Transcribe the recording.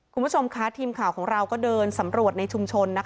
คุณผู้ชมค่ะทีมข่าวของเราก็เดินสำรวจในชุมชน